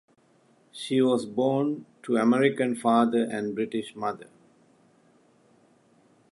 She was born to American father and British mother.